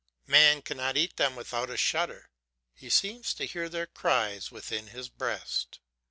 Man cannot eat them without a shudder; He seems to hear their cries within his breast.